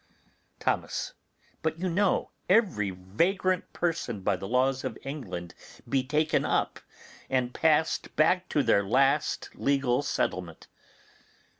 Thomas. But you know every vagrant person may by the laws of England be taken up, and passed back to their last legal settlement.